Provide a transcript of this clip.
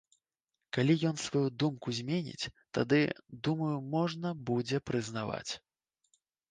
Калі ён сваю думку зменіць, тады, думаю, можна будзе прызнаваць.